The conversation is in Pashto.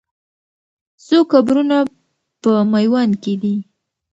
څو قبرونه په میوند کې دي؟